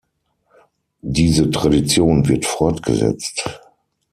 Diese Tradition wird fortgesetzt.